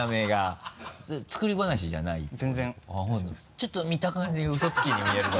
ちょっと見た感じ嘘つきに見えるかも。